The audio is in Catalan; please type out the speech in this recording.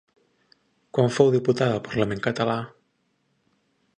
Quan fou diputada al Parlament català?